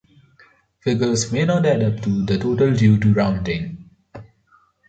Figures may not add up to the total due to rounding.